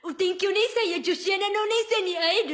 おねいさんや女子アナのおねいさんに会える？